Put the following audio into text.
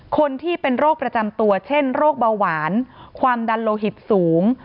คนที่เป็นโรคประจำตัวเช่นโรคเบาหวานความดันโลหิตสูง